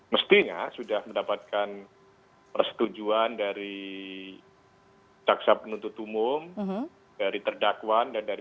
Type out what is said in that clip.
mestinya sudah mendapatkan persetujuan dari caksa penuntut umum dari terdakwa dan dari